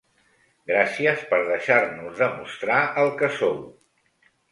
Gràcies per deixar-nos demostrar el que sou.